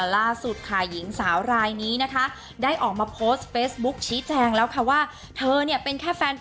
ล่าสุดค่ะหญิงสาวรายนี้นะคะได้ออกมาโพสต์เฟซบุ๊คชี้แจงแล้วค่ะว่าเธอเนี่ยเป็นแค่แฟน